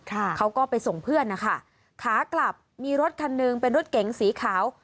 เขาก็ไปส่งเพื่อนนะคะขากลับมีรถคันหนึ่งเป็นรถเก๋งสีขาว